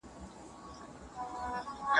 ږیره لرونکي سړي ډوډۍ او مڼه نه وه راوړي.